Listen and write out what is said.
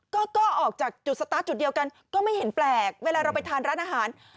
ก็ก็ออกจากจุดสตาร์ทจุดเดียวกันก็ไม่เห็นแปลกเวลาเราไปทานร้านอาหาร